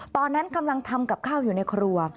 ตอนนั้นกำลังทำกับข้าวอยู่ในครัว